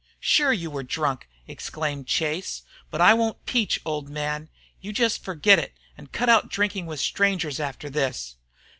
"Sure you were drunk!" exclaimed Chase. "But I won't peach, old man. You just forget it and cut out drinking with strangers after this."